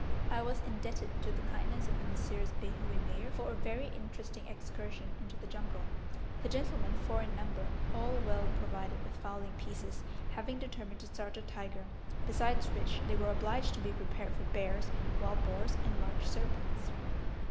I was indebted to the kindness of the Messrs. Behu and Meyer for a very interesting excursion into the jungle. The gentlemen, four in number, all well provided with fowling pieces, having determined to start a tiger, besides which they were obliged to be prepared for bears, wild boars, and large serpents.